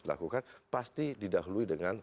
dilakukan pasti didahului dengan